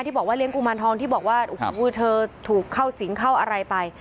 บอกว่าเลี้ยกุมารทองที่บอกว่าโอ้โหเธอถูกเข้าสิงเข้าอะไรไป